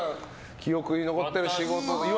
記憶に残ってる仕事。